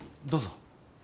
どうぞ。